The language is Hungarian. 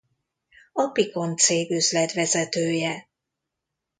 A Picon cég üzletvezetője.